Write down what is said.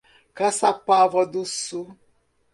Caçapava do Sul